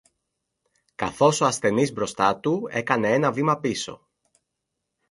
καθώς ο ασθενής μπροστά του έκανε ένα βήμα πίσω